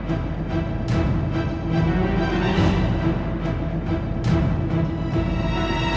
itu tempat yang sangat acontece